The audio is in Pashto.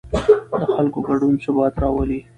د خلکو ګډون ثبات راولي